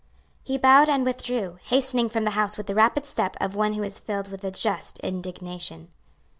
He bowed and withdrew, hastening from the house with the rapid step of one who is filled with a just indignation.